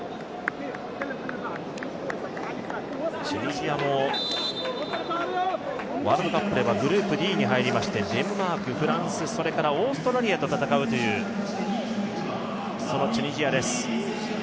チュニジアもワールドカップではグループ２位に入りましてデンマーク、フランス、それからオーストラリアと戦うチュニジアです。